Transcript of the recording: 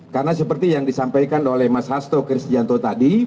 karena seperti yang disampaikan oleh mas hasto manicure